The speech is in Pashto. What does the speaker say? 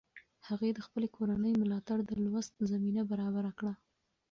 هغې د خپلې کورنۍ ملاتړ د لوست زمینه برابره کړه.